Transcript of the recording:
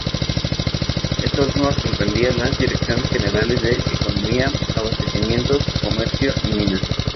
Esta última comprendía las direcciones generales de Economía, Abastecimientos, Comercio y Minas.